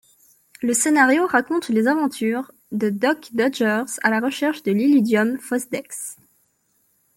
Le scénario raconte les aventures de Duck Dodgers à la recherche de l’Illudium Phosdex.